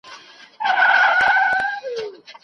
زه هره ورځ ږغ اورم.